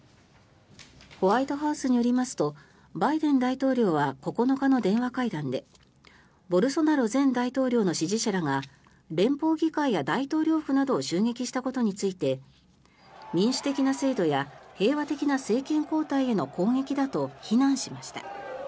ホワイトハウスによりますとバイデン大統領は９日の電話会談でボルソナロ前大統領の支持者らが連邦議会や大統領府などを襲撃したことについて民主的な制度や平和的な政権交代への攻撃だと非難しました。